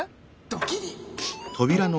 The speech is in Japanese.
ドキリ。